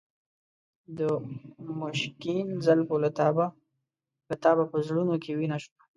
د مشکین زلفو له تابه په زړونو کې وینه شوه.